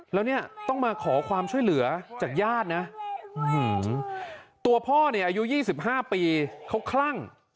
แล้วเนี่ยต้องมาขอความช่วยเหลือจากญาตินะตัวพ่อเนี่ยอายุ๒๕ปีเขาคลั่ง